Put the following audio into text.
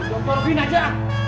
lompat bin aja